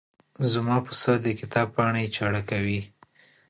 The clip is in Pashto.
زما پسه د کتاب پاڼې چاړه کوي.